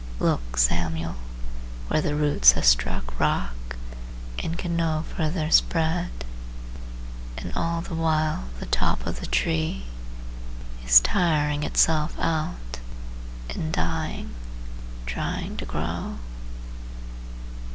Look, Samuel, where the roots have struck rock, And can no further spread. And all the while the top of the tree Is tiring itself out, and dying, Trying to grow.